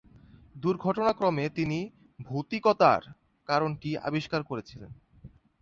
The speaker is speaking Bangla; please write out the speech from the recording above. দুর্ঘটনাক্রমে তিনি "ভৌতিকতা"-র কারণটি আবিষ্কার করেছিলেন।